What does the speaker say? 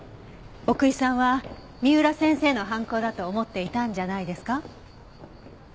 奥居さんは三浦先生の犯行だと思っていたんじゃないですか？